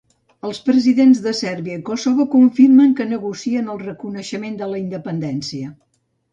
Els presidents de Sèrbia i Kossove confirmen que negocien el reconeixement de la independència.